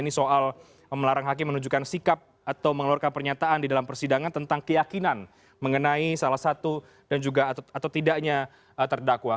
ini soal melarang hakim menunjukkan sikap atau mengeluarkan pernyataan di dalam persidangan tentang keyakinan mengenai salah satu dan juga atau tidaknya terdakwa